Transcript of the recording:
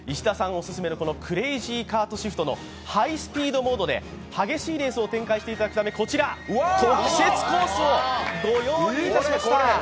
オススメのクレイジーカートシフトのハイスピードモードで激しいレースを展開してもらうため、こちら特設コースをご用意いたしました。